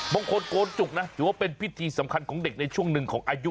มงคลโกนจุกนะถือว่าเป็นพิธีสำคัญของเด็กในช่วงหนึ่งของอายุ